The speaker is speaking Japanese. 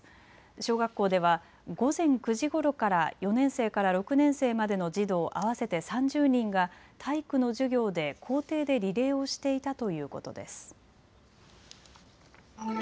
小学校では午前９時ごろから４年生から６年生までの児童合わせて３０人が体育の授業で校庭でリレーをしていたということです。